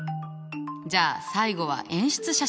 じゃあ最後は演出写真。